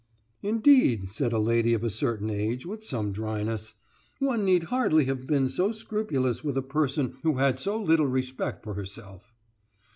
"Indeed," said a lady of a certain age, with some dryness, "one need hardly have been so scrupulous with a person who had so little respect for herself."